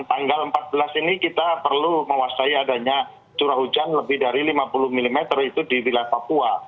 tanggal empat belas ini kita perlu mewaspai adanya curah hujan lebih dari lima puluh mm itu di wilayah papua